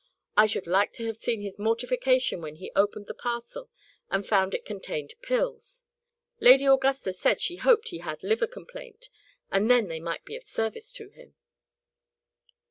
I should like to have seen his mortification when he opened the parcel and found it contained pills! Lady Augusta said she hoped he had liver complaint, and then they might be of service to him."